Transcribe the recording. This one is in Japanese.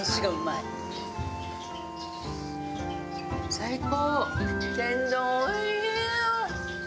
最高！